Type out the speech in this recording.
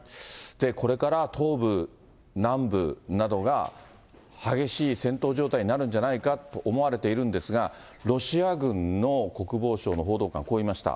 で、これから、東部、南部などが激しい戦闘状態になるんじゃないかと思われているんですが、ロシア軍の国防省の報道官、こう言いました。